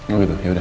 oh gitu ya udah